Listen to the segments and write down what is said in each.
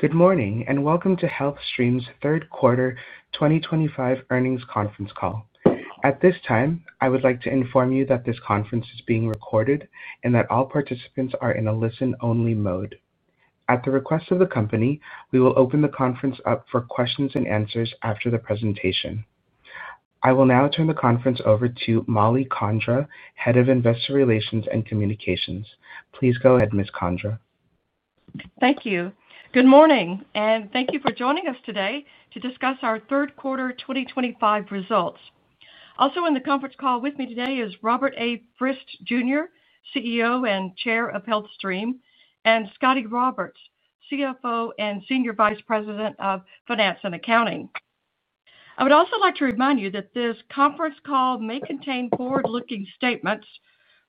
Good morning and welcome to HealthStream's Third Quarter 2025 earnings conference call. At this time, I would like to inform you that this conference is being recorded and that all participants are in a listen-only mode. At the request of the company, we will open the conference up for questions and answers after the presentation. I will now turn the conference over to Mollie Condra, Head of Investor Relations and Communications. Please go ahead, Ms. Condra. Thank you. Good morning, and thank you for joining us today to discuss our third quarter 2025 results. Also in the conference call with me today is Robert A. Frist, Jr., CEO and Chair of HealthStream, and Scotty Roberts, CFO and Senior Vice President of Finance and Accounting. I would also like to remind you that this conference call may contain forward-looking statements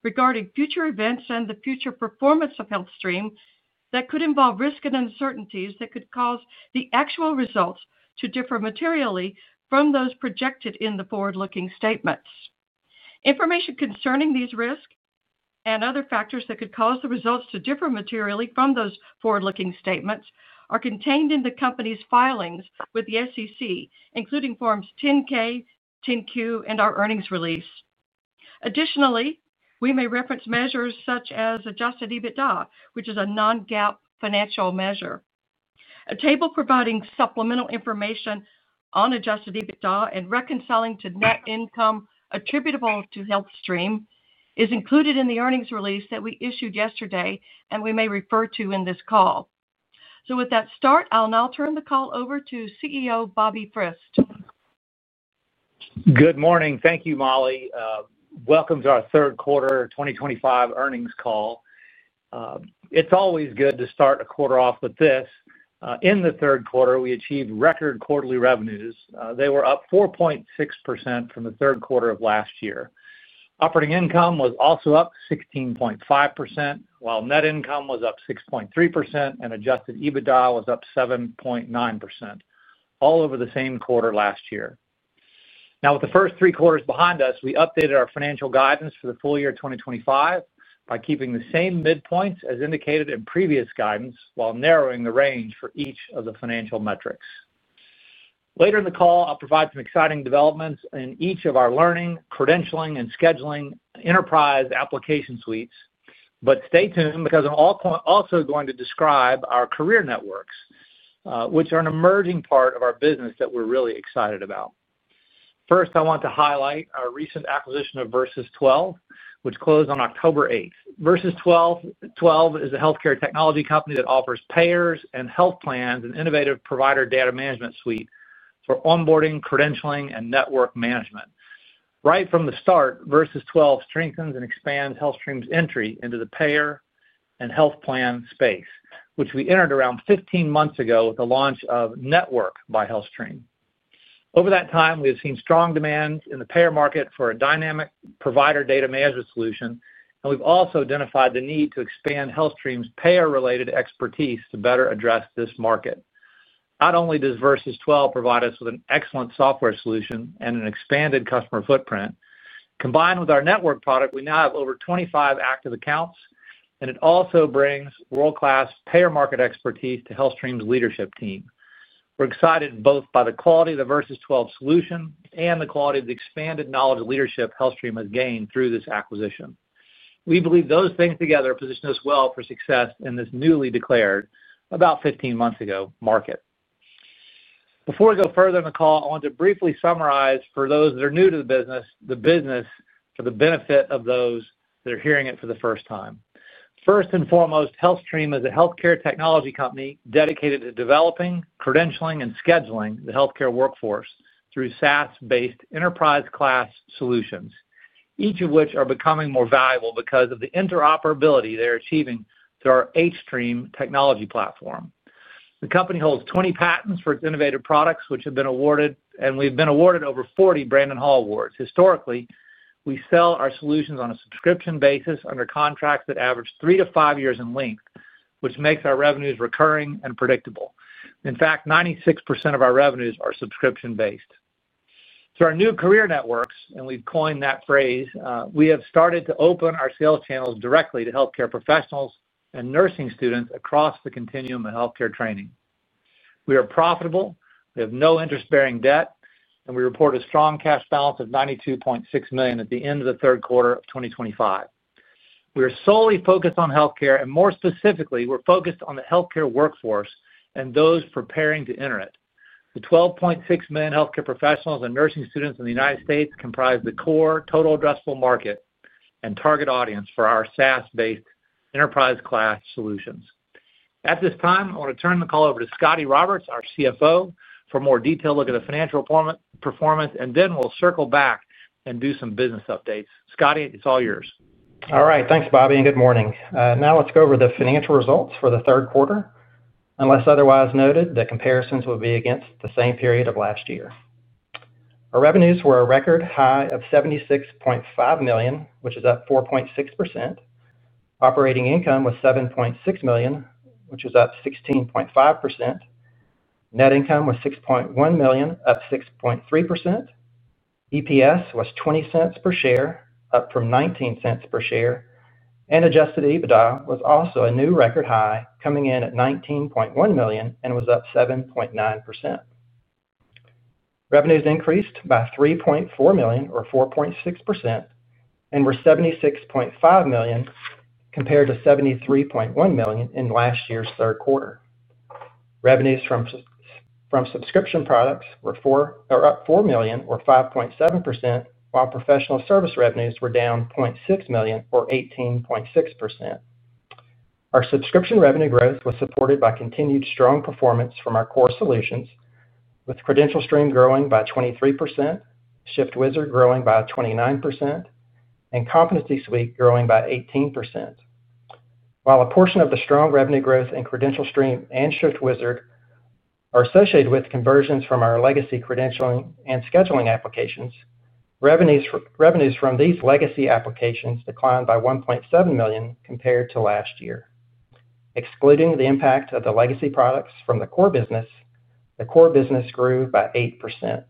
regarding future events and the future performance of HealthStream that could involve risk and uncertainties that could cause the actual results to differ materially from those projected in the forward-looking statements. Information concerning these risks and other factors that could cause the results to differ materially from those forward-looking statements are contained in the company's filings with the SEC, including Forms 10-K, 10-Q, and our earnings release. Additionally, we may reference measures such as Adjusted EBITDA, which is a non-GAAP financial measure. A table providing supplemental information on Adjusted EBITDA and reconciling to net income attributable to HealthStream is included in the earnings release that we issued yesterday and we may refer to in this call. So with that start, I'll now turn the call over to CEO Bobby Frist. Good morning. Thank you, Mollie. Welcome to our third quarter 2025 earnings call. It's always good to start a quarter off with this. In the third quarter, we achieved record quarterly revenues. They were up 4.6% from the third quarter of last year. Operating income was also up 16.5%, while net income was up 6.3%, and adjusted EBITDA was up 7.9%, all over the same quarter last year. Now, with the first three quarters behind us, we updated our financial guidance for the full year 2025 by keeping the same midpoints as indicated in previous guidance while narrowing the range for each of the financial metrics. Later in the call, I'll provide some exciting developments in each of our learning, credentialing, and scheduling enterprise application suites, but stay tuned because I'm also going to describe our career networks, which are an emerging part of our business that we're really excited about. First, I want to highlight our recent acquisition Virsys12, which closed on October Virsys12 is a healthcare technology company that offers payers and health plans an innovative provider data management suite for onboarding, credentialing, and network management. Right from the Virsys12 strengthens and expands HealthStream's entry into the payer and health plan space, which we entered around 15 months ago with the launch of Network by HealthStream. Over that time, we have seen strong demand in the payer market for a dynamic provider data management solution, and we've also identified the need to expand HealthStream's payer-related expertise to better address this market. Not only Virsys12 provide us with an excellent software solution and an expanded customer footprint, combined with our Network product, we now have over 25 active accounts, and it also brings world-class payer market expertise to HealthStream's leadership team. We're excited both by the quality of Virsys12 solution and the quality of the expanded knowledge leadership HealthStream has gained through this acquisition. We believe those things together position us well for success in this newly declared, about 15 months ago, market. Before we go further in the call, I want to briefly summarize for those that are new to the business for the benefit of those that are hearing it for the first time. First and foremost, HealthStream is a healthcare technology company dedicated to developing, credentialing, and scheduling the healthcare workforce through SaaS-based enterprise-class solutions, each of which are becoming more valuable because of the interoperability they're achieving through our hStream technology platform. The company holds 20 patents for its innovative products, which have been awarded, and we've been awarded over 40 Brandon Hall Awards. Historically, we sell our solutions on a subscription basis under contracts that average three to five years in length, which makes our revenues recurring and predictable. In fact, 96% of our revenues are subscription-based. Through our new career networks, and we've coined that phrase, we have started to open our sales channels directly to healthcare professionals and nursing students across the continuum of healthcare training. We are profitable. We have no interest-bearing debt, and we report a strong cash balance of $92.6 million at the end of the third quarter of 2025. We are solely focused on healthcare, and more specifically, we're focused on the healthcare workforce and those preparing to enter it. The 12.6 million healthcare professionals and nursing students in the United States comprise the core total addressable market and target audience for our SaaS-based enterprise-class solutions. At this time, I want to turn the call over to Scotty Roberts, our CFO, for a more detailed look at the financial performance, and then we'll circle back and do some business updates. Scotty, it's all yours. All right. Thanks, Bobby, and good morning. Now let's go over the financial results for the third quarter. Unless otherwise noted, the comparisons will be against the same period of last year. Our revenues were a record high of $76.5 million, which is up 4.6%. Operating income was $7.6 million, which was up 16.5%. Net income was $6.1 million, up 6.3%. EPS was $0.20 per share, up from $0.19 per share, and Adjusted EBITDA was also a new record high, coming in at $19.1 million and was up 7.9%. Revenues increased by $3.4 million, or 4.6%, and were $76.5 million compared to $73.1 million in last year's third quarter. Revenues from subscription products were up $4 million, or 5.7%, while professional service revenues were down $0.6 million, or 18.6%. Our subscription revenue growth was supported by continued strong performance from our core solutions, with CredentialStream growing by 23%, ShiftWizard growing by 29%, and Competency Suite growing by 18%. While a portion of the strong revenue growth in CredentialStream and ShiftWizard are associated with conversions from our legacy credentialing and scheduling applications, revenues from these legacy applications declined by $1.7 million compared to last year. Excluding the impact of the legacy products from the core business, the core business grew by 8%.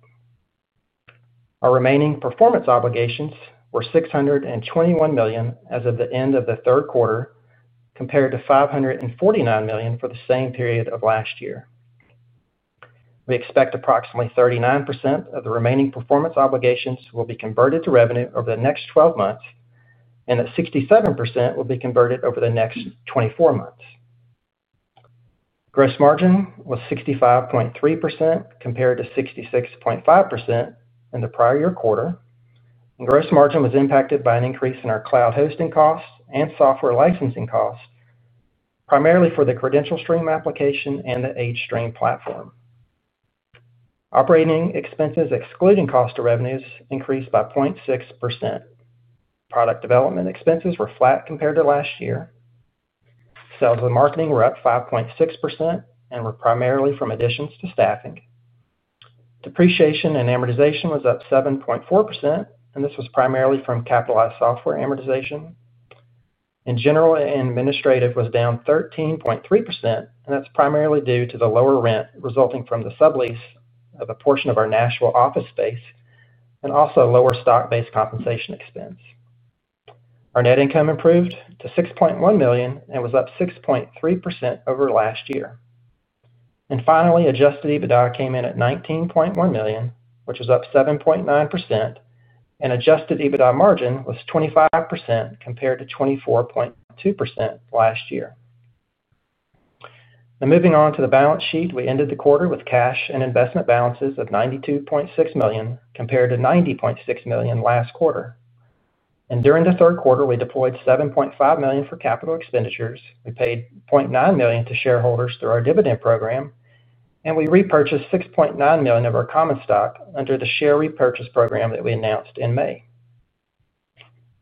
Our remaining performance obligations were $621 million as of the end of the third quarter compared to $549 million for the same period of last year. We expect approximately 39% of the remaining performance obligations will be converted to revenue over the next 12 months, and that 67% will be converted over the next 24 months. Gross margin was 65.3% compared to 66.5% in the prior year quarter, and gross margin was impacted by an increase in our cloud hosting costs and software licensing costs, primarily for the CredentialStream application and the hStream platform. Operating expenses, excluding cost of revenues, increased by 0.6%. Product development expenses were flat compared to last year. Sales and marketing were up 5.6% and were primarily from additions to staffing. Depreciation and amortization was up 7.4%, and this was primarily from capitalized software amortization. General and administrative was down 13.3%, and that's primarily due to the lower rent resulting from the sublease of a portion of our Nashville office space and also lower stock-based compensation expense. Our net income improved to $6.1 million and was up 6.3% over last year. Finally, Adjusted EBITDA came in at $19.1 million, which was up 7.9%, and Adjusted EBITDA margin was 25% compared to 24.2% last year. Now moving on to the balance sheet, we ended the quarter with cash and investment balances of $92.6 million compared to $90.6 million last quarter. During the third quarter, we deployed $7.5 million for capital expenditures. We paid $0.9 million to shareholders through our dividend program. We repurchased $6.9 million of our common stock under the share repurchase program that we announced in May.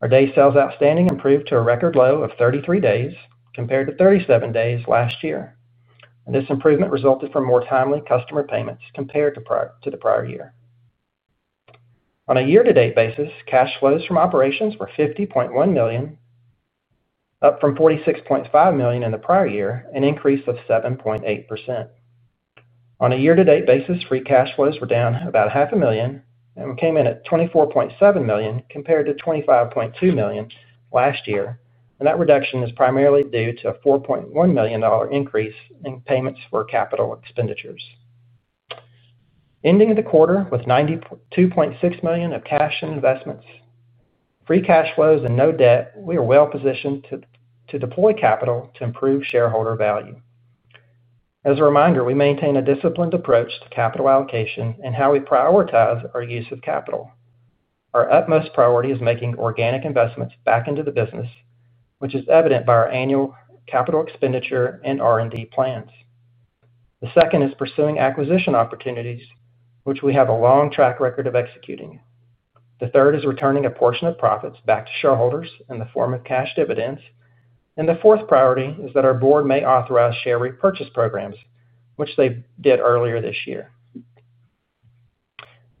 Our day sales outstanding improved to a record low of 33 days compared to 37 days last year. And this improvement resulted from more timely customer payments compared to the prior year. On a year-to-date basis, cash flows from operations were $50.1 million, up from $46.5 million in the prior year, an increase of 7.8%. On a year-to-date basis, free cash flows were down about $500,000 and came in at $24.7 million compared to $25.2 million last year. And that reduction is primarily due to a $4.1 million increase in payments for capital expenditures. Ending the quarter with $92.6 million of cash and investments, free cash flows, and no debt, we are well positioned to deploy capital to improve shareholder value. As a reminder, we maintain a disciplined approach to capital allocation and how we prioritize our use of capital. Our utmost priority is making organic investments back into the business, which is evident by our annual capital expenditure and R&D plans. The second is pursuing acquisition opportunities, which we have a long track record of executing. The third is returning a portion of profits back to shareholders in the form of cash dividends. And the fourth priority is that our board may authorize share repurchase programs, which they did earlier this year.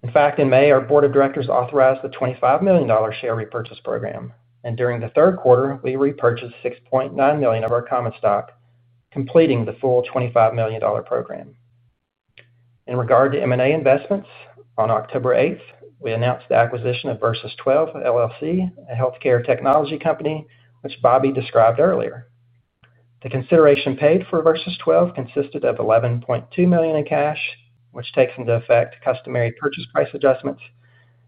In fact, in May, our board of directors authorized the $25 million share repurchase program. And during the third quarter, we repurchased $6.9 million of our common stock, completing the full $25 million program. In regard to M&A investments, on October 8th, we announced the acquisition Virsys12 llc, a healthcare technology company, which Bobby described earlier. The consideration paid Virsys12 consisted of $11.2 million in cash, which takes into account customary purchase price adjustments.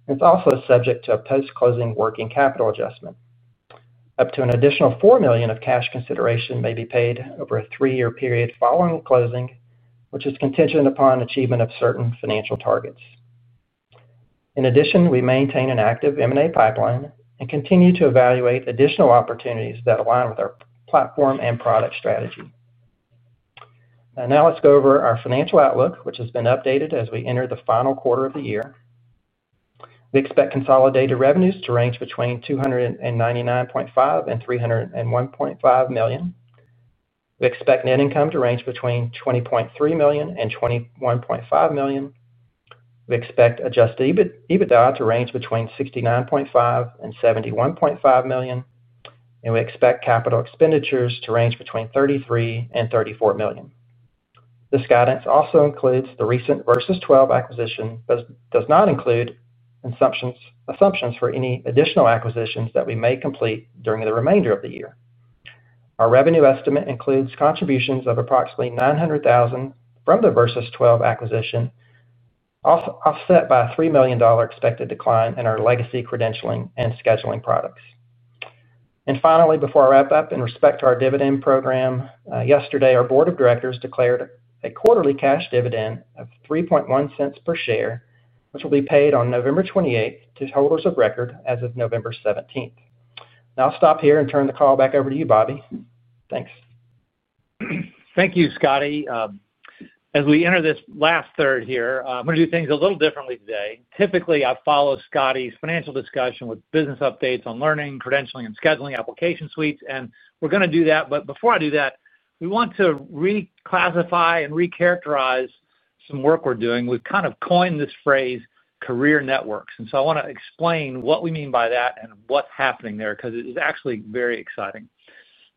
And it's also subject to a post-closing working capital adjustment. Up to an additional $4 million of cash consideration may be paid over a three-year period following closing, which is contingent upon achievement of certain financial targets. In addition, we maintain an active M&A pipeline and continue to evaluate additional opportunities that align with our platform and product strategy. Now let's go over our financial outlook, which has been updated as we enter the final quarter of the year. We expect consolidated revenues to range between $299.5-$301.5 million. We expect net income to range between $20.3-$21.5 million. We expect Adjusted EBITDA to range between $69.5-$71.5 million. And we expect capital expenditures to range between $33-$34 million. This guidance also includes the Virsys12 acquisition, but does not include assumptions for any additional acquisitions that we may complete during the remainder of the year. Our revenue estimate includes contributions of approximately $900,000 from Virsys12 acquisition. Offset by a $3 million expected decline in our legacy credentialing and scheduling products. Finally, before I wrap up, in respect to our dividend program, yesterday, our board of directors declared a quarterly cash dividend of $0.31 per share, which will be paid on November 28th to holders of record as of November 17th. Now I'll stop here and turn the call back over to you, Bobby. Thanks. Thank you, Scotty. As we enter this last third here, I'm going to do things a little differently today. Typically, I follow Scotty's financial discussion with business updates on learning, credentialing, and scheduling application suites, and we're going to do that. But before I do that, we want to reclassify and recharacterize some work we're doing. We've kind of coined this phrase "career networks." And so I want to explain what we mean by that and what's happening there because it is actually very exciting.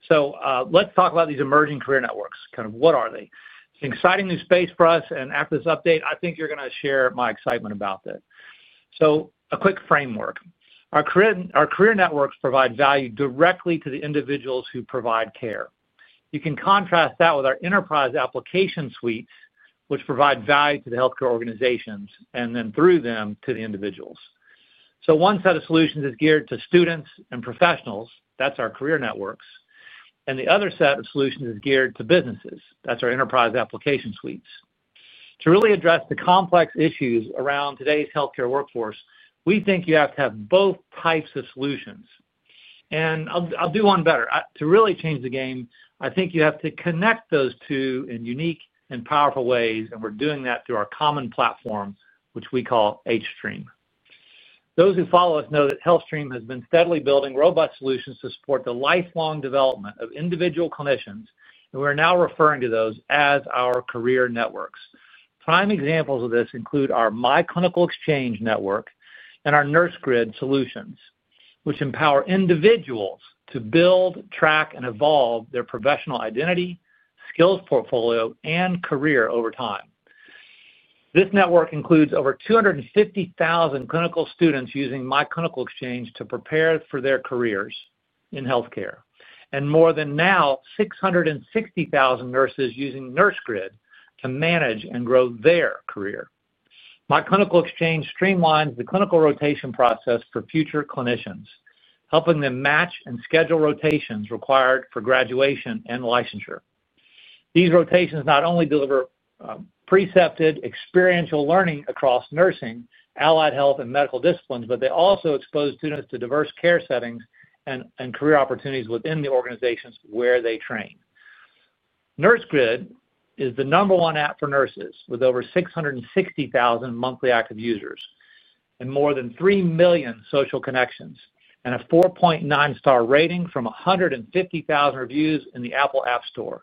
So let's talk about these emerging career networks. Kind of what are they? It's an exciting new space for us. And after this update, I think you're going to share my excitement about this. So a quick framework. Our career networks provide value directly to the individuals who provide care. You can contrast that with our enterprise application suites, which provide value to the healthcare organizations and then through them to the individuals. So one set of solutions is geared to students and professionals. That's our career networks. And the other set of solutions is geared to businesses. That's our enterprise application suites. To really address the complex issues around today's healthcare workforce, we think you have to have both types of solutions. And I'll do one better. To really change the game, I think you have to connect those two in unique and powerful ways. And we're doing that through our common platform, which we call hStream. Those who follow us know that HealthStream has been steadily building robust solutions to support the lifelong development of individual clinicians, and we're now referring to those as our career networks. Prime examples of this include our My Clinical Exchange network and our Nursegrid solutions, which empower individuals to build, track, and evolve their professional identity, skills portfolio, and career over time. This network includes over 250,000 clinical students using My Clinical Exchange to prepare for their careers in healthcare, and more than now, 660,000 nurses using Nursegrid to manage and grow their career. My Clinical Exchange streamlines the clinical rotation process for future clinicians, helping them match and schedule rotations required for graduation and licensure. These rotations not only deliver precepted experiential learning across nursing, allied health, and medical disciplines, but they also expose students to diverse care settings and career opportunities within the organizations where they train. Nursegrid is the number one app for nurses with over 660,000 monthly active users and more than 3 million social connections and a 4.9-star rating from 150,000 reviews in the Apple App Store.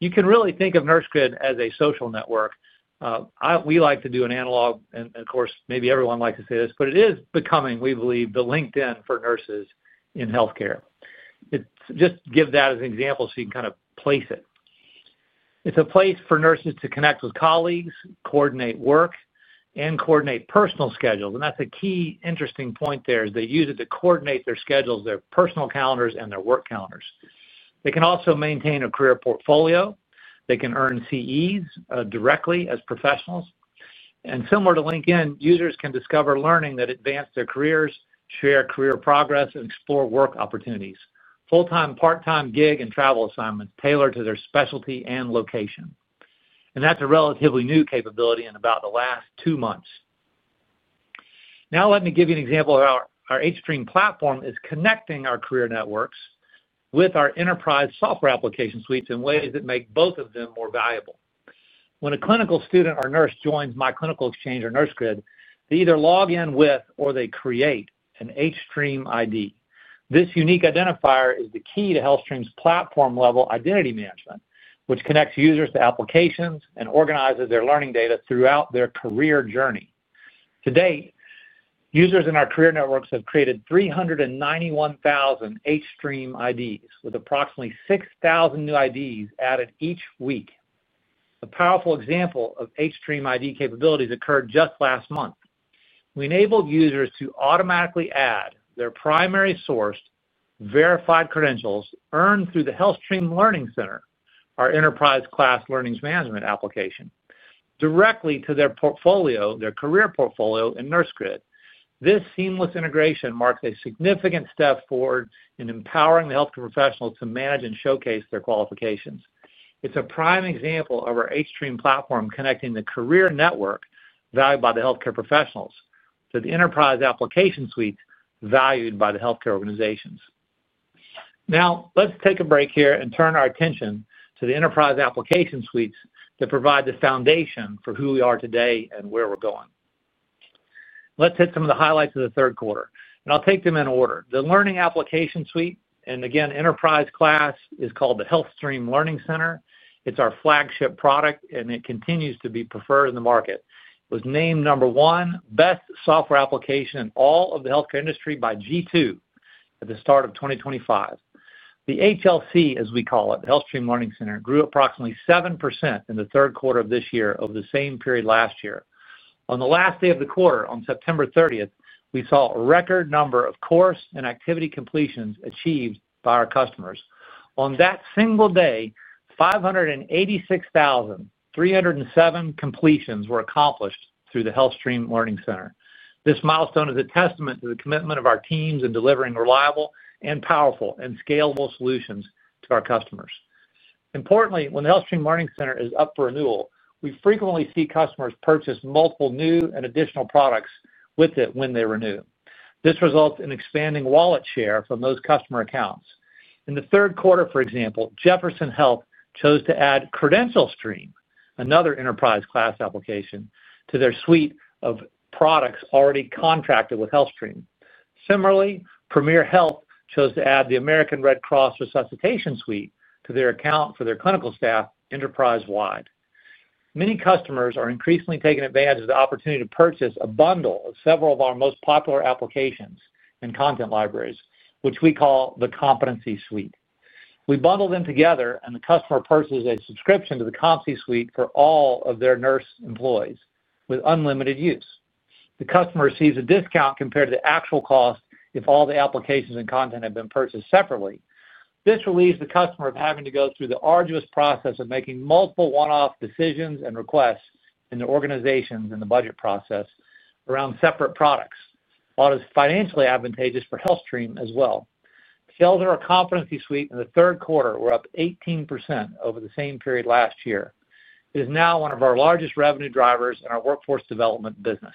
You can really think of Nursegrid as a social network. We like to do an analogy, and of course, maybe everyone likes to say this, but it is becoming, we believe, the LinkedIn for nurses in healthcare. Just give that as an example so you can kind of place it. It's a place for nurses to connect with colleagues, coordinate work, and coordinate personal schedules. And that's a key interesting point there is they use it to coordinate their schedules, their personal calendars, and their work calendars. They can also maintain a career portfolio. They can earn CEs directly as professionals. And similar to LinkedIn, users can discover learning that advanced their careers, share career progress, and explore work opportunities. Full-time, part-time, gig, and travel assignments tailored to their specialty and location. And that's a relatively new capability in about the last two months. Now let me give you an example of how our hStream platform is connecting our career networks with our enterprise software application suites in ways that make both of them more valuable. When a clinical student or nurse joins My Clinical Exchange or Nursegrid, they either log in with or they create an hStream ID. This unique identifier is the key to HealthStream's platform-level identity management, which connects users to applications and organizes their learning data throughout their career journey. To date, users in our career networks have created 391,000 hStream IDs with approximately 6,000 new IDs added each week. A powerful example of hStream ID capabilities occurred just last month. We enabled users to automatically add their primary-sourced verified credentials earned through the HealthStream Learning Center, our enterprise-class learning management application, directly to their portfolio, their career portfolio in Nursegrid. This seamless integration marks a significant step forward in empowering the healthcare professional to manage and showcase their qualifications. It's a prime example of our hStream platform connecting the career network valued by the healthcare professionals to the enterprise application suites valued by the healthcare organizations. Now let's take a break here and turn our attention to the enterprise application suites that provide the foundation for who we are today and where we're going. Let's hit some of the highlights of the third quarter. And I'll take them in order. The learning application suite, and again, enterprise-class, is called the HealthStream Learning Center. It's our flagship product, and it continues to be preferred in the market. It was named number one, best software application in all of the healthcare industry by G2 at the start of 2025. The HLC, as we call it, the HealthStream Learning Center, grew approximately 7% in the third quarter of this year over the same period last year. On the last day of the quarter, on September 30th, we saw a record number of course and activity completions achieved by our customers. On that single day, 586,307 completions were accomplished through the HealthStream Learning Center. This milestone is a testament to the commitment of our teams in delivering reliable and powerful and scalable solutions to our customers. Importantly, when the HealthStream Learning Center is up for renewal, we frequently see customers purchase multiple new and additional products with it when they renew. This results in expanding wallet share from those customer accounts. In the third quarter, for example, Jefferson Health chose to add CredentialStream, another enterprise-class application, to their suite of products already contracted with HealthStream. Similarly, Premier Health chose to add the American Red Cross Resuscitation Suite to their account for their clinical staff enterprise-wide. Many customers are increasingly taking advantage of the opportunity to purchase a bundle of several of our most popular applications and content libraries, which we call the Competency Suite. We bundle them together, and the customer purchases a subscription to the Competency Suite for all of their nurse employees with unlimited use. The customer receives a discount compared to the actual cost if all the applications and content have been purchased separately. This relieves the customer of having to go through the arduous process of making multiple one-off decisions and requests in the organizations and the budget process around separate products, while it is financially advantageous for HealthStream as well. Sales of our Competency Suite in the third quarter were up 18% over the same period last year. It is now one of our largest revenue drivers in our workforce development business.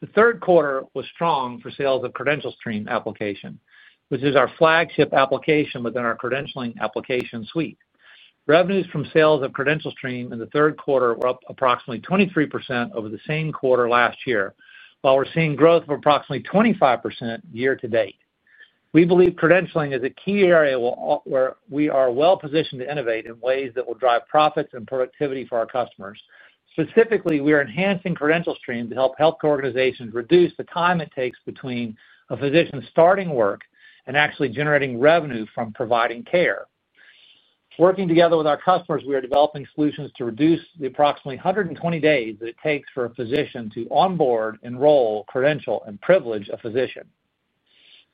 The third quarter was strong for sales of CredentialStream application, which is our flagship application within our credentialing application suite. Revenues from sales of CredentialStream in the third quarter were up approximately 23% over the same quarter last year, while we're seeing growth of approximately 25% year to date. We believe credentialing is a key area where we are well-positioned to innovate in ways that will drive profits and productivity for our customers. Specifically, we are enhancing CredentialStream to help healthcare organizations reduce the time it takes between a physician starting work and actually generating revenue from providing care. Working together with our customers, we are developing solutions to reduce the approximately 120 days that it takes for a physician to onboard, enroll, credential, and privilege a physician.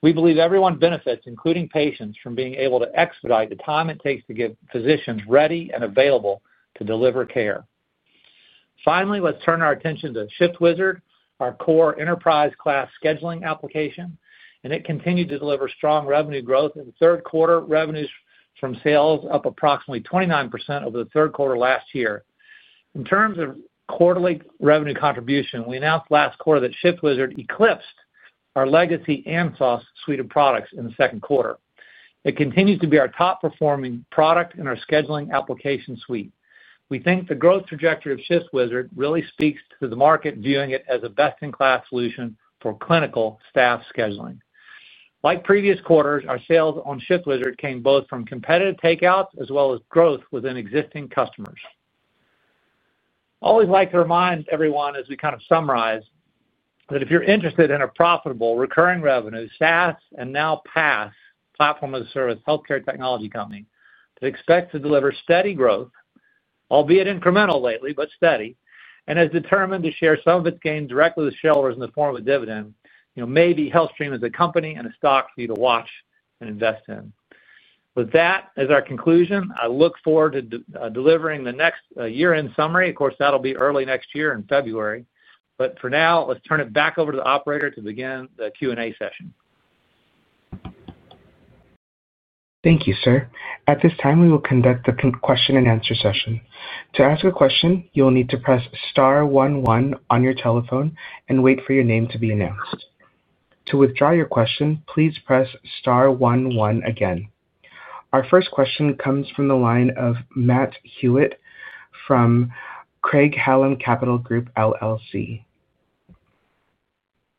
We believe everyone benefits, including patients, from being able to expedite the time it takes to get physicians ready and available to deliver care. Finally, let's turn our attention to ShiftWizard, our core enterprise-class scheduling application, and it continued to deliver strong revenue growth in the third quarter, revenues from sales up approximately 29% over the third quarter last year. In terms of quarterly revenue contribution, we announced last quarter that ShiftWizard eclipsed our legacy AmSoft suite of products in the second quarter. It continues to be our top-performing product in our scheduling application suite. We think the growth trajectory of ShiftWizard really speaks to the market viewing it as a best-in-class solution for clinical staff scheduling. Like previous quarters, our sales on ShiftWizard came both from competitive takeouts as well as growth within existing customers. I always like to remind everyone as we kind of summarize that if you're interested in a profitable recurring revenue SaaS and now PaaS platform as a service healthcare technology company that expects to deliver steady growth, albeit incremental lately, but steady, and has determined to share some of its gains directly with shareholders in the form of a dividend, maybe HealthStream is a company and a stock for you to watch and invest in. With that as our conclusion, I look forward to delivering the next year-end summary. Of course, that'll be early next year in February. But for now, let's turn it back over to the operator to begin the Q&A session. Thank you, sir. At this time, we will conduct the question-and-answer session. To ask a question, you'll need to press Star 11 on your telephone and wait for your name to be announced. To withdraw your question, please press Star 11 again. Our first question comes from the line of Matt Hewitt from Craig-Hallum Capital Group, LLC.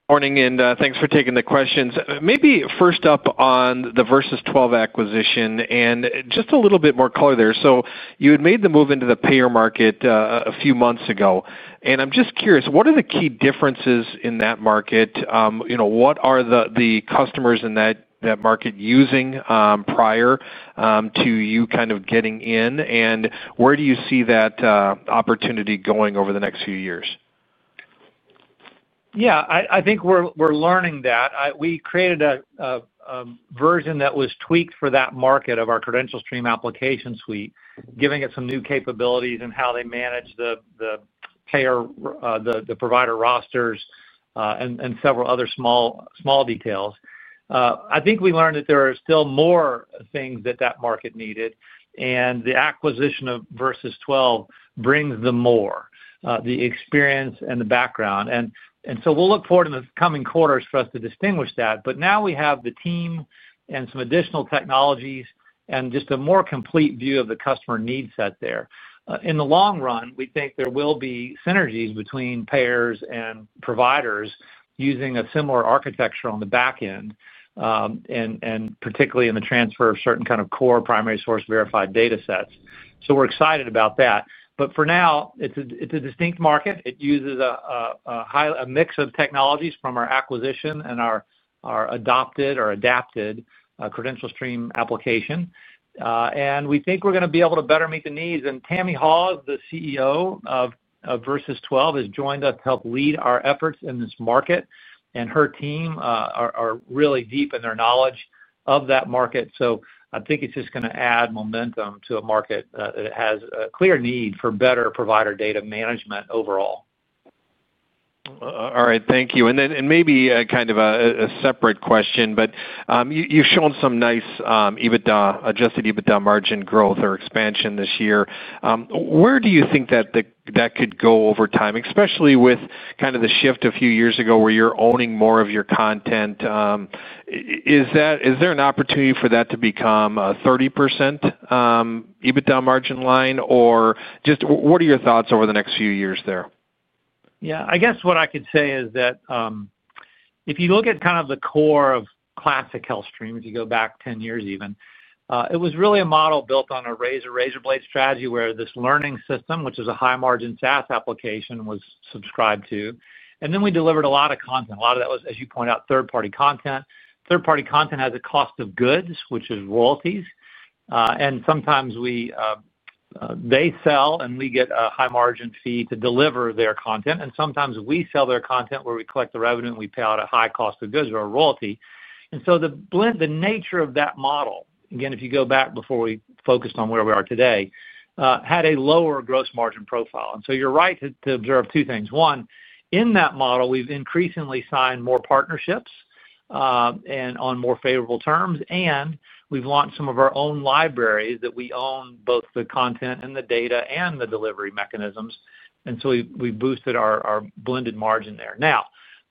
Morning, and thanks for taking the questions. Maybe first up on Virsys12 acquisition and just a little bit more color there. So you had made the move into the payer market a few months ago. And I'm just curious, what are the key differences in that market? What are the customers in that market using prior to you kind of getting in? And where do you see that opportunity going over the next few years? Yeah. I think we're learning that. We created a version that was tweaked for that market of our CredentialStream application suite, giving it some new capabilities in how they manage the payer, the provider rosters and several other small details. I think we learned that there are still more things that that market needed. The acquisition Virsys12 brings more experience and the background. So we'll look forward in the coming quarters for us to distinguish that. But now we have the team and some additional technologies and just a more complete view of the customer needs set there. In the long run, we think there will be synergies between payers and providers using a similar architecture on the back end, and particularly in the transfer of certain kind of core primary-sourced verified data sets. So we're excited about that. But for now, it's a distinct market. It uses a mix of technologies from our acquisition and our adopted or adapted CredentialStream application. We think we're going to be able to better meet the needs. Tammy Hawes, the CEO Virsys12, has joined us to help lead our efforts in this market. Her team is really deep in their knowledge of that market. So I think it's just going to add momentum to a market that has a clear need for better provider data management overall. All right. Thank you. And then maybe kind of a separate question, but you've shown some nice Adjusted EBITDA margin growth or expansion this year. Where do you think that could go over time, especially with kind of the shift a few years ago where you're owning more of your content? Is there an opportunity for that to become a 30% Adjusted EBITDA margin line? Or just what are your thoughts over the next few years there? Yeah. I guess what I could say is that. If you look at kind of the core of classic HealthStream, if you go back 10 years even, it was really a model built on a razor-blade strategy where this learning system, which is a high-margin SaaS application, was subscribed to. And then we delivered a lot of content. A lot of that was, as you point out, third-party content. Third-party content has a cost of goods, which is royalties. And sometimes. They sell and we get a high-margin fee to deliver their content. And sometimes we sell their content where we collect the revenue and we pay out a high cost of goods or a royalty. And so the nature of that model, again, if you go back before we focused on where we are today, had a lower gross margin profile. And so you're right to observe two things. One, in that model, we've increasingly signed more partnerships. And on more favorable terms. And we've launched some of our own libraries that we own both the content and the data and the delivery mechanisms. And so we've boosted our blended margin there. Now,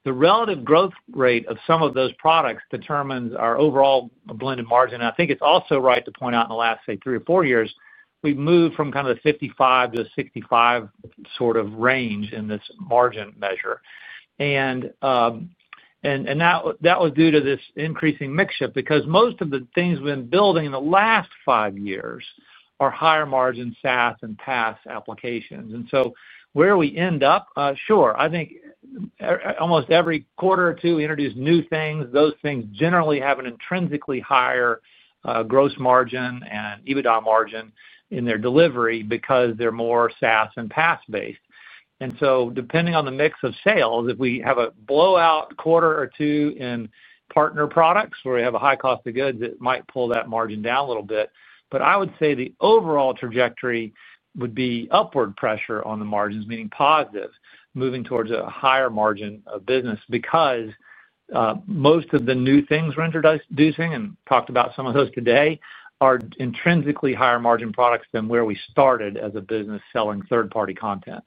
the relative growth rate of some of those products determines our overall blended margin. And I think it's also right to point out in the last, say, three or four years, we've moved from kind of the 55 to 65 sort of range in this margin measure. And. That was due to this increasing mixture because most of the things we've been building in the last five years are higher-margin SaaS and PaaS applications. And so where we end up, sure, I think. Almost every quarter or two, we introduce new things. Those things generally have an intrinsically higher gross margin and EBITDA margin in their delivery because they're more SaaS and PaaS-based. And so depending on the mix of sales, if we have a blowout quarter or two in partner products where we have a high cost of goods, it might pull that margin down a little bit. But I would say the overall trajectory would be upward pressure on the margins, meaning positive, moving towards a higher margin of business because. Most of the new things we're introducing and talked about some of those today are intrinsically higher-margin products than where we started as a business selling third-party content.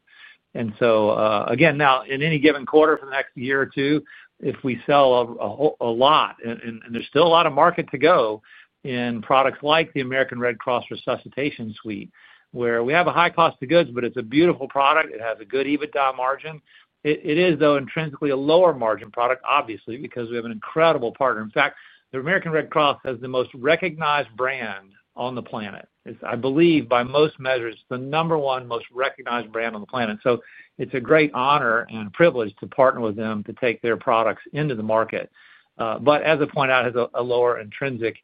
And so again, now, in any given quarter for the next year or two, if we sell a lot, and there's still a lot of market to go in products like the American Red Cross Resuscitation Suite, where we have a high cost of goods, but it's a beautiful product. It has a good EBITDA margin. It is, though, intrinsically a lower-margin product, obviously, because we have an incredible partner. In fact, the American Red Cross has the most recognized brand on the planet. I believe, by most measures, it's the number one most recognized brand on the planet. So it's a great honor and privilege to partner with them to take their products into the market. But as I point out, it has a lower intrinsic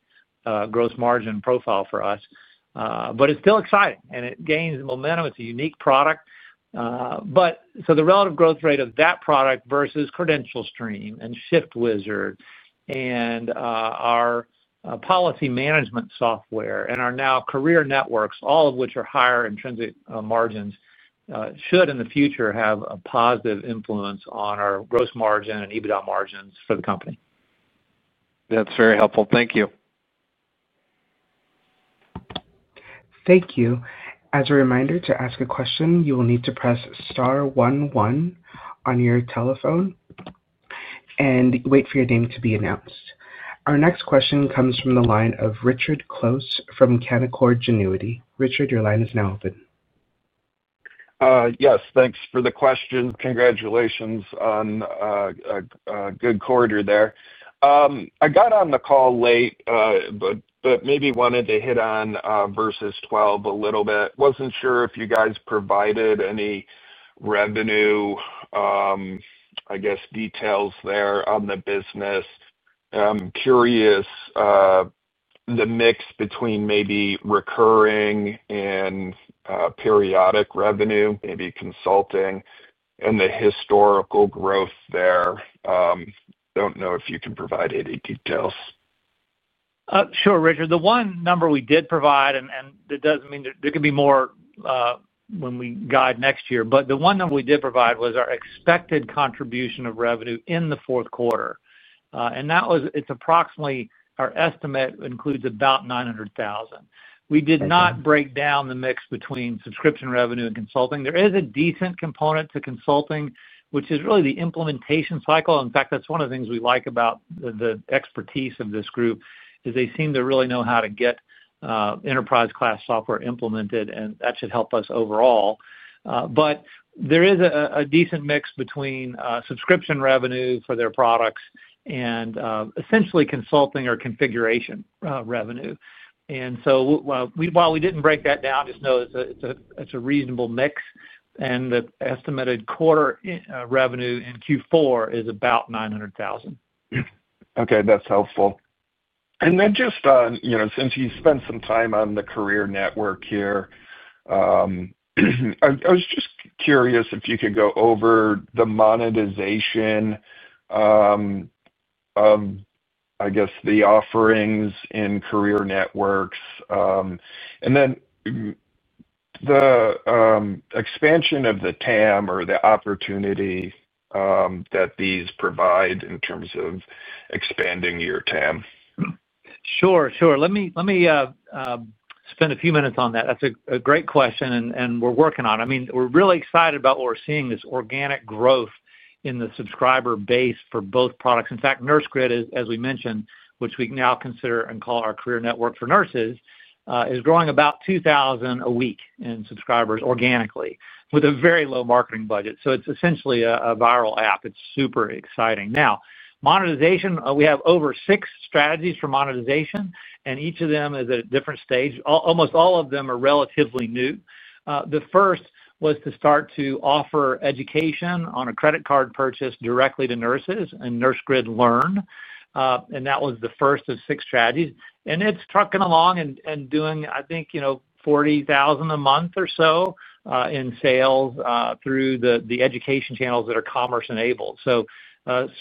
gross margin profile for us. But it's still exciting, and it gains momentum. It's a unique product. So the relative growth rate of that product versus CredentialStream and ShiftWizard and our policy management software and our now career networks, all of which are higher intrinsic margins, should in the future have a positive influence on our gross margin and EBITDA margins for the company. That's very helpful. Thank you. Thank you. As a reminder, to ask a question, you will need to press Star 11 on your telephone, and wait for your name to be announced. Our next question comes from the line of Richard Close from Canaccord Genuity. Richard, your line is now open. Yes. Thanks for the question. Congratulations on a good quarter there. I got on the call late, but maybe wanted to hit Virsys12 a little bit. Wasn't sure if you guys provided any revenue, I guess, details there on the business. I'm curious. The mix between maybe recurring and periodic revenue, maybe consulting, and the historical growth there. Don't know if you can provide any details. Sure, Richard. The one number we did provide, and it doesn't mean there could be more when we guide next year, but the one number we did provide was our expected contribution of revenue in the fourth quarter. And it's approximately. Our estimate includes about $900,000. We did not break down the mix between subscription revenue and consulting. There is a decent component to consulting, which is really the implementation cycle. In fact, that's one of the things we like about the expertise of this group, is they seem to really know how to get enterprise-class software implemented, and that should help us overall. But there is a decent mix between subscription revenue for their products and essentially consulting or configuration revenue. And so while we didn't break that down, just know it's a reasonable mix. And the estimated quarter revenue in Q4 is about $900,000. Okay. That's helpful. And then just since you spent some time on the career network here. I was just curious if you could go over the monetization of, I guess, the offerings in career networks. And then the expansion of the TAM or the opportunity that these provide in terms of expanding your TAM. Sure. Let me spend a few minutes on that. That's a great question, and we're working on it. I mean, we're really excited about what we're seeing, this organic growth in the subscriber base for both products. In fact, NurseGrid, as we mentioned, which we now consider and call our career network for nurses, is growing about 2,000 a week in subscribers organically with a very low marketing budget. So it's essentially a viral app. It's super exciting. Now, monetization, we have over six strategies for monetization, and each of them is at a different stage. Almost all of them are relatively new. The first was to start to offer education on a credit card purchase directly to nurses and Nursegrid Learn. And that was the first of six strategies. And it's trucking along and doing, I think, 40,000 a month or so in sales through the education channels that are commerce-enabled. So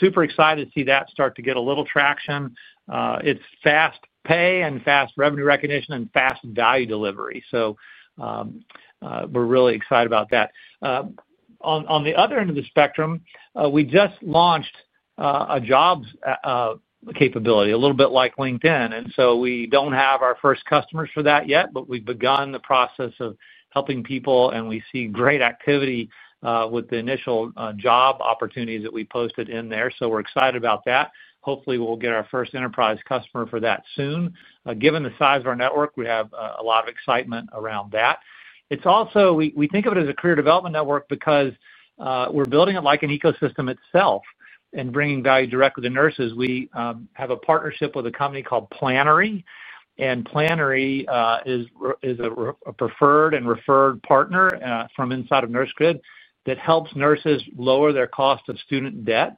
super excited to see that start to get a little traction. It's fast pay and fast revenue recognition and fast value delivery. So we're really excited about that. On the other end of the spectrum, we just launched a job capability, a little bit like LinkedIn. And so we don't have our first customers for that yet, but we've begun the process of helping people, and we see great activity with the initial job opportunities that we posted in there. So we're excited about that. Hopefully, we'll get our first enterprise customer for that soon. Given the size of our network, we have a lot of excitement around that. We think of it as a career development network because we're building it like an ecosystem itself and bringing value directly to nurses. We have a partnership with a company called Plannery. And Plannery is a preferred and referred partner from inside of Nursegrid that helps nurses lower their cost of student debt.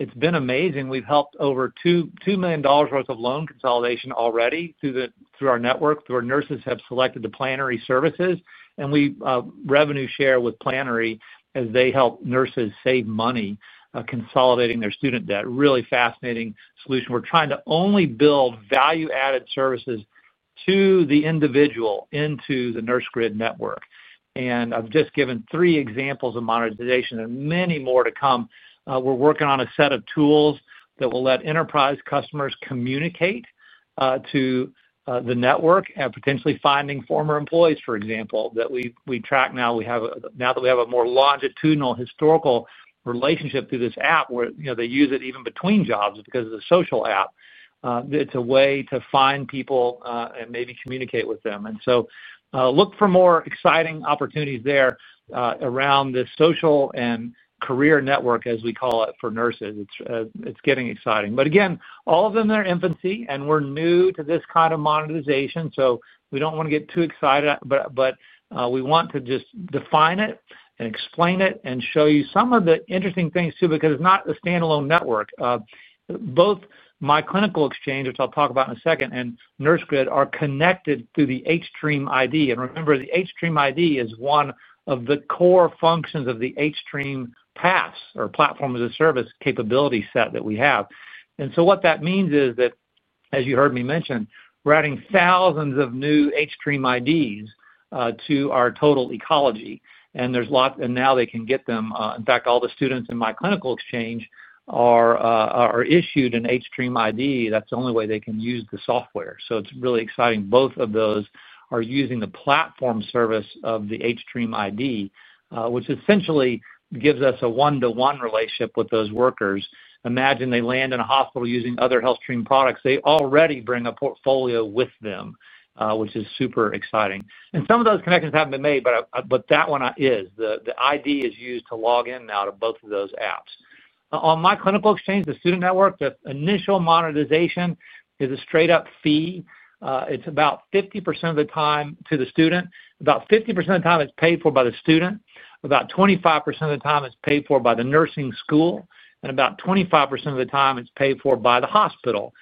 It's been amazing. We've helped over $2 million worth of loan consolidation already through our network. Our nurses have selected the Plannery services, and we revenue share with Plannery as they help nurses save money consolidating their student debt. Really fascinating solution. We're trying to only build value-added services to the individual into the Nursegrid network. And I've just given three examples of monetization. There are many more to come. We're working on a set of tools that will let enterprise customers communicate to the network and potentially finding former employees, for example, that we track now. Now that we have a more longitudinal historical relationship through this app where they use it even between jobs because it's a social app. It's a way to find people. And maybe communicate with them. And so look for more exciting opportunities there around the social and career network, as we call it, for nurses. It's getting exciting. But again, all of them are in infancy, and we're new to this kind of monetization. So we don't want to get too excited, but we want to just define it and explain it and show you some of the interesting things too because it's not a standalone network. Both My Clinical Exchange, which I'll talk about in a second, and Nursegrid are connected through the hStream ID. And remember, the hStream ID is one of the core functions of the hStream PaaS or platform as a service capability set that we have. And so what that means is that, as you heard me mention, we're adding thousands of new hStream IDs to our total ecology. And now they can get them. In fact, all the students in My Clinical Exchange are issued an hStream ID. That's the only way they can use the software. So it's really exciting. Both of those are using the platform service of the hStream ID, which essentially gives us a one-to-one relationship with those workers. Imagine they land in a hospital using other HealthStream products. They already bring a portfolio with them, which is super exciting. And some of those connections haven't been made, but that one is. The ID is used to log in and out of both of those apps. On My Clinical Exchange, the student network, the initial monetization is a straight-up fee. It's about 50% of the time to the student. About 50% of the time it's paid for by the student. About 25% of the time it's paid for by the nursing school. And about 25% of the time it's paid for by the hospital.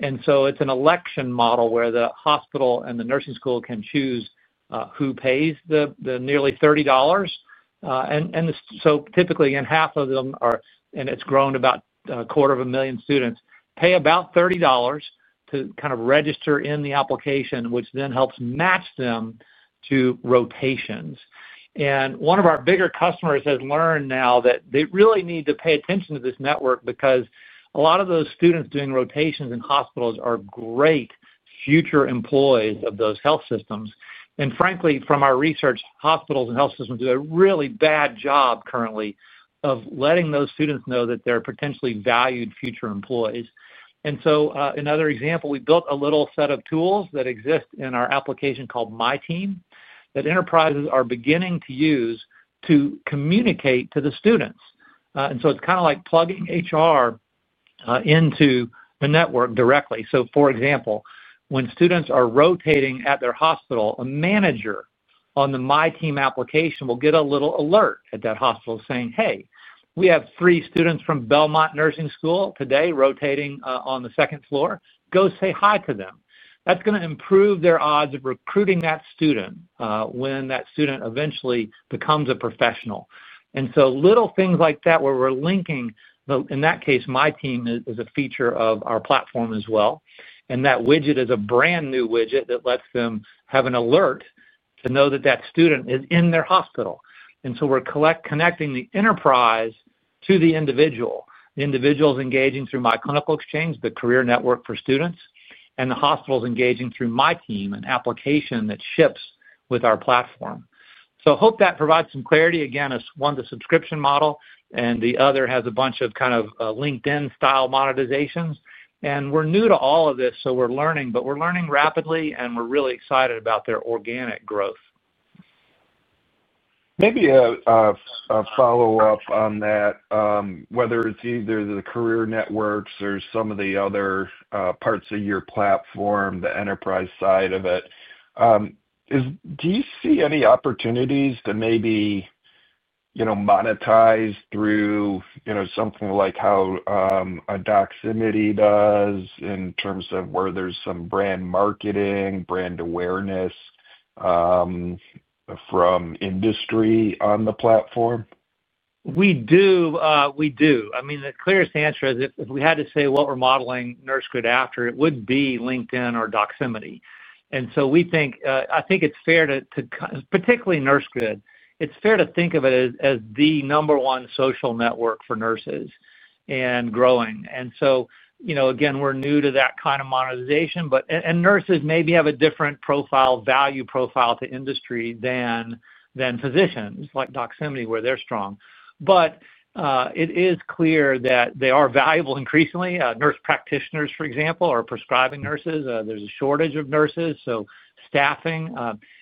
And so it's an election model where the hospital and the nursing school can choose who pays the nearly $30. And so typically, again, half of them are, and it's grown to about 250,000 students, pay about $30 to kind of register in the application, which then helps match them to rotations. And one of our bigger customers has learned now that they really need to pay attention to this network because a lot of those students doing rotations in hospitals are great future employees of those health systems. And frankly, from our research, hospitals and health systems do a really bad job currently of letting those students know that they're potentially valued future employees. And so another example, we built a little set of tools that exist in our application called MyTeam that enterprises are beginning to use to communicate to the students. And so it's kind of like plugging HR into the network directly. So for example, when students are rotating at their hospital, a manager on the MyTeam application will get a little alert at that hospital saying, "Hey, we have three students from Belmont Nursing School today rotating on the second floor. Go say hi to them." That's going to improve their odds of recruiting that student when that student eventually becomes a professional. And so little things like that where we're linking, in that case, MyTeam is a feature of our platform as well. And that widget is a brand new widget that lets them have an alert to know that that student is in their hospital. And so we're connecting the enterprise to the individual. The individual is engaging through My Clinical Exchange, the career network for students, and the hospital is engaging through MyTeam, an application that ships with our platform. So I hope that provides some clarity. Again, one's a subscription model, and the other has a bunch of kind of LinkedIn-style monetizations. And we're new to all of this, so we're learning, but we're learning rapidly, and we're really excited about their organic growth. Maybe. A follow-up on that. Whether it's either the career networks or some of the other parts of your platform, the enterprise side of it. Do you see any opportunities to maybe monetize through something like how a Doximity does in terms of where there's some brand marketing, brand awareness from industry on the platform? We do. We do. I mean, the clearest answer is if we had to say what we're modeling Nursegrid after, it would be LinkedIn or Doximity. And so I think it's fair to, particularly Nursegrid, it's fair to think of it as the number one social network for nurses and growing. And so again, we're new to that kind of monetization. And nurses maybe have a different value profile to industry than physicians like Doximity where they're strong. But it is clear that they are valuable increasingly. Nurse practitioners, for example, are prescribing nurses. There's a shortage of nurses, so staffing.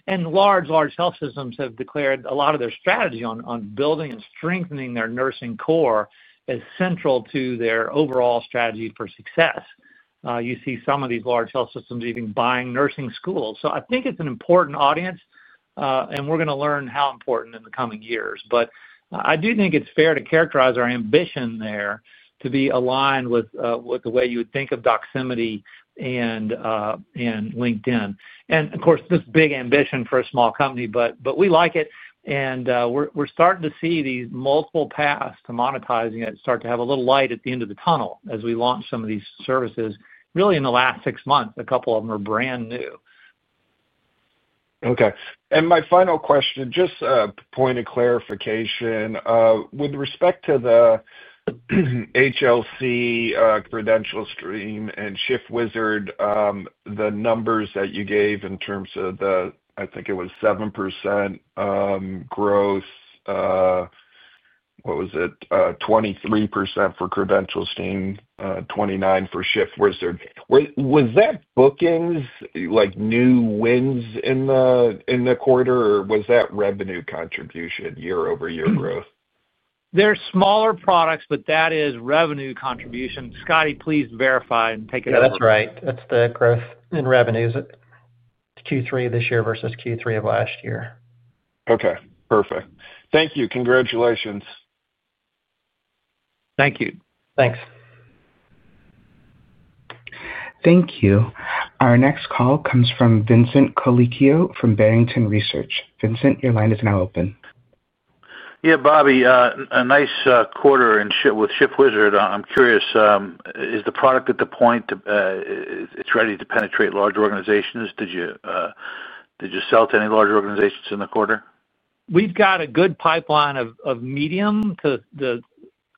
And large, large health systems have declared a lot of their strategy on building and strengthening their nursing core as central to their overall strategy for success. You see some of these large health systems even buying nursing schools. So I think it's an important audience, and we're going to learn how important in the coming years. But I do think it's fair to characterize our ambition there to be aligned with the way you would think of Doximity and LinkedIn. And of course, this big ambition for a small company, but we like it. And we're starting to see these multiple paths to monetizing it start to have a little light at the end of the tunnel as we launch some of these services, really in the last six months. A couple of them are brand new. Okay. And my final question, just a point of clarification. With respect to the HLC CredentialStream and ShiftWizard. The numbers that you gave in terms of the, I think it was 7% growth. What was it? 23% for CredentialStream, 29% for ShiftWizard. Was that bookings, new wins in the quarter, or was that revenue contribution, year-over-year growth? They're smaller products, but that is revenue contribution. Scotty, please verify and take it over. Yeah, that's right. That's the growth in revenues. Q3 this year versus Q3 of last year. Okay. Perfect. Thank you. Congratulations. Thank you. Thanks. Thank you. Our next call comes from Vincent Colicchio from Barrington Research. Vincent, your line is now open. Yeah, Bobby, a nice quarter with ShiftWizard. I'm curious, is the product at the point it's ready to penetrate large organizations? Did you sell to any large organizations in the quarter? We've got a good pipeline of medium- to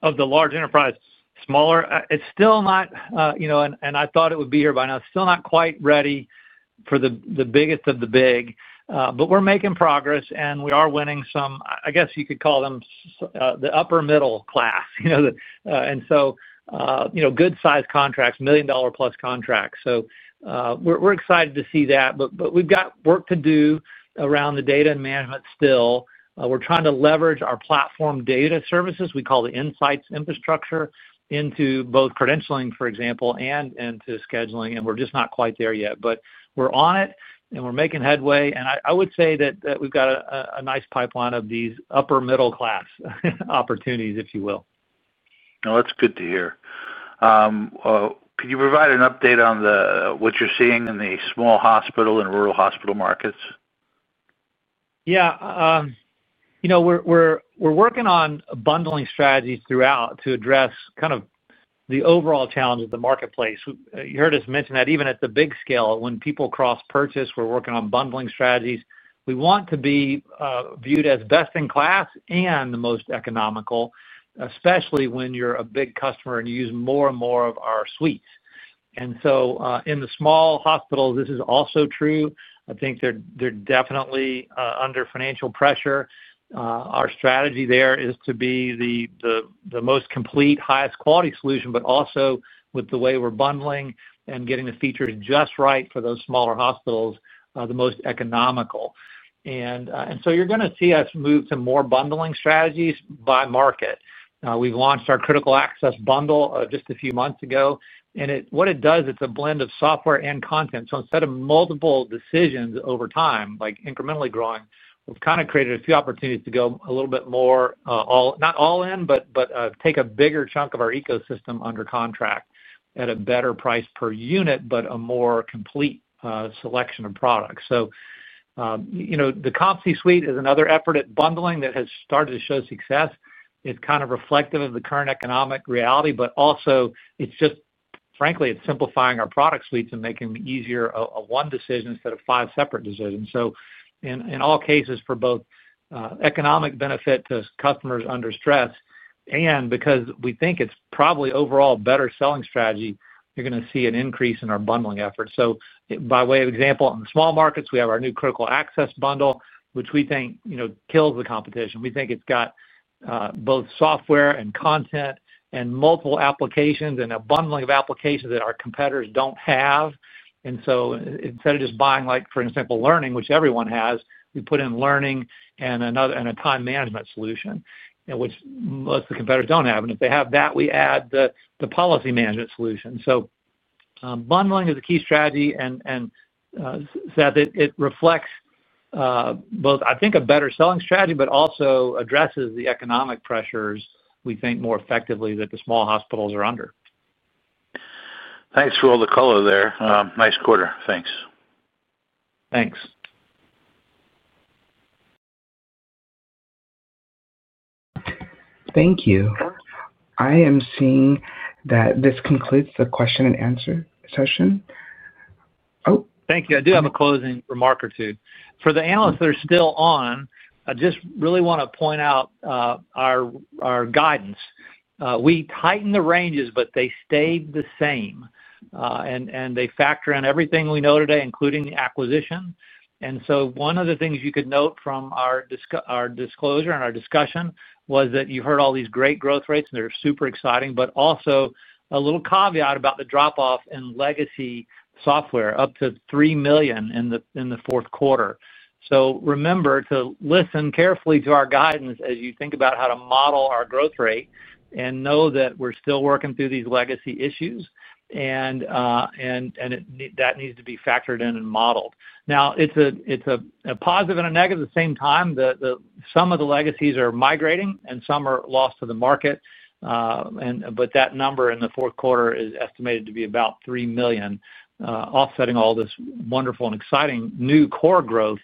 large enterprise. Smaller, it's still not. And I thought it would be here by now, still not quite ready for the biggest of the big. But we're making progress, and we are winning some, I guess you could call them the upper middle class. And so. Good-sized contracts, million-dollar-plus contracts. So we're excited to see that. But we've got work to do around the data and management still. We're trying to leverage our platform data services. We call it insights infrastructure into both credentialing, for example, and into scheduling. And we're just not quite there yet. But we're on it, and we're making headway. And I would say that we've got a nice pipeline of these upper middle-class opportunities, if you will. No, that's good to hear. Could you provide an update on what you're seeing in the small hospital and rural hospital markets? Yeah. We're working on bundling strategies throughout to address kind of the overall challenge of the marketplace. You heard us mention that even at the big scale, when people cross-purchase, we're working on bundling strategies. We want to be viewed as best in class and the most economical, especially when you're a big customer and you use more and more of our suites, and so in the small hospitals, this is also true. I think they're definitely under financial pressure. Our strategy there is to be the most complete, highest-quality solution, but also with the way we're bundling and getting the features just right for those smaller hospitals, the most economical, and so you're going to see us move to more bundling strategies by market. We've launched our Critical Access Bundle just a few months ago, and what it does, it's a blend of software and content. So instead of multiple decisions over time, like incrementally growing, we've kind of created a few opportunities to go a little bit more. Not all in, but take a bigger chunk of our ecosystem under contract at a better price per unit, but a more complete selection of products. So, the Competency Suite is another effort at bundling that has started to show success. It's kind of reflective of the current economic reality, but also, frankly, it's simplifying our product suites and making it easier, a one decision instead of five separate decisions. So in all cases, for both economic benefit to customers under stress and because we think it's probably overall a better selling strategy, you're going to see an increase in our bundling effort. So by way of example, in the small markets, we have our new Critical Access Bundle, which we think kills the competition. We think it's got both software and content and multiple applications and a bundling of applications that our competitors don't have, and so instead of just buying, for example, learning, which everyone has, we put in learning and a time management solution, which most of the competitors don't have. And if they have that, we add the policy management solution. So, bundling is a key strategy, and it reflects both, I think, a better selling strategy, but also addresses the economic pressures, we think, more effectively than the small hospitals are under. Thanks for all the color there. Nice quarter. Thanks. Thanks. Thank you. I am seeing that this concludes the question and answer session. Oh. Thank you. I do have a closing remark or two. For the analysts that are still on, I just really want to point out our guidance. We tightened the ranges, but they stayed the same, and they factor in everything we know today, including acquisition. And so one of the things you could note from our disclosure and our discussion was that you heard all these great growth rates. They're super exciting, but also a little caveat about the drop-off in legacy software, up to $3 million in the fourth quarter, so remember to listen carefully to our guidance as you think about how to model our growth rate and know that we're still working through these legacy issues, and that needs to be factored in and modeled. Now, it's a positive and a negative at the same time. Some of the legacies are migrating, and some are lost to the market. But that number in the fourth quarter is estimated to be about $3 million, offsetting all this wonderful and exciting new core growth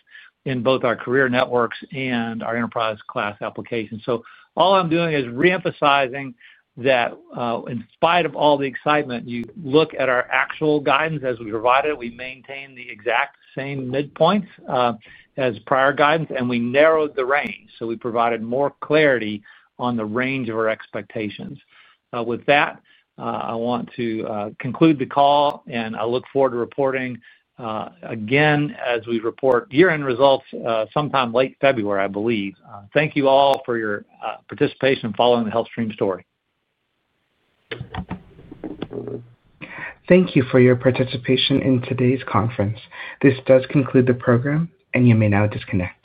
in both our career networks and our enterprise-class applications, so all I'm doing is reemphasizing that. In spite of all the excitement, you look at our actual guidance as we provide it. We maintain the exact same midpoints as prior guidance, and we narrowed the range, so we provided more clarity on the range of our expectations. With that, I want to conclude the call, and I look forward to reporting again as we report year-end results sometime late February, I believe. Thank you all for your participation in following the HealthStream story. Thank you for your participation in today's conference. This does conclude the program, and you may now disconnect.